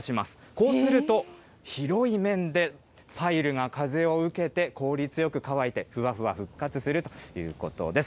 こうすると、広い面でパイルが風を受けて効率よく乾いてふわふわ復活するということです。